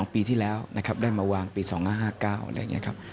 ปีที่แล้วนะครับได้มาวางปี๒๕๕๙อะไรอย่างนี้ครับ